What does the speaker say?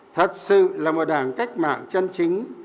thật sự là một đảng cách mạng chân chính